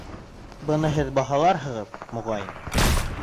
Быны һеҙ баһаларһығыҙ, моғайын.